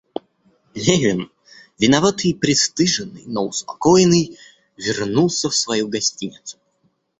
Левин, виноватый и пристыженный, но успокоенный, вернулся в свою гостиницу.